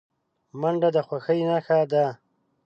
منډه د خوښۍ نښه ده